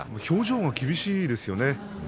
表情も厳しいですよね。